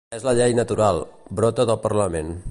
És la llei natural, brota del parlament.